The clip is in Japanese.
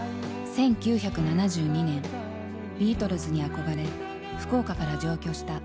１９７２年ビートルズに憧れ福岡から上京したＴＵＬＩＰ。